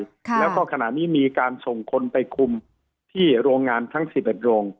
แล้วก็ขณะนี้มีการส่งคนไปคุมที่โรงงานทั้ง๑๑โรง